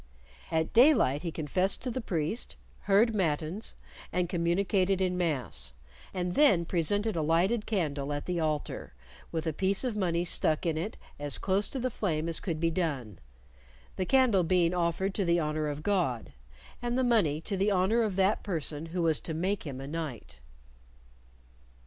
At daylight he confessed to the priest, heard matins, and communicated in mass, and then presented a lighted candle at the altar, with a piece of money stuck in it as close to the flame as could be done, the candle being offered to the honor of God, and the money to the honor of that person who was to make him a knight.